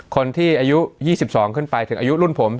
คนที่อายุ๒๒ขึ้นไปถึงอายุรุ่นผม